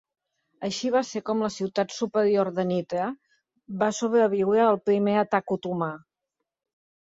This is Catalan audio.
Així va ser com la ciutat superior de Nitra va sobreviure al primer atac otomà.